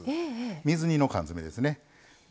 水煮の缶詰ですね。